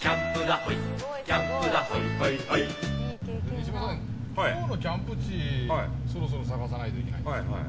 西村さん、今日のキャンプ地そろそろ探さないといけない。